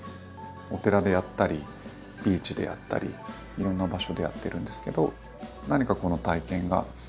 お寺でやったりビーチでやったりいろんな場所でやってるんですけど。